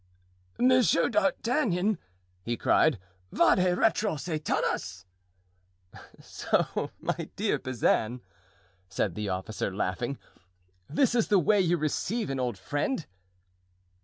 "Monsieur d'Artagnan!" he cried; "Vade retro Satanas!" "So, my dear Bazin!" said the officer, laughing, "this is the way you receive an old friend."